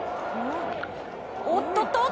おっとっと